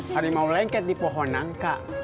hari mau lengket di pohonangka